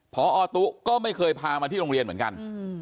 พอตุ๊ก็ไม่เคยพามาที่โรงเรียนเหมือนกัน